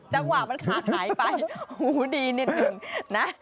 จังหวะมันขาดหายไปหูดีนิดนึงนะ